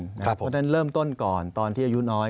เพราะฉะนั้นเริ่มต้นก่อนตอนที่อายุน้อย